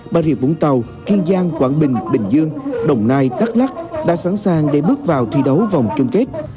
bà rịa vũng tàu kiên giang quảng bình bình dương đồng nai đắk lắc đã sẵn sàng để bước vào thi đấu vòng chung kết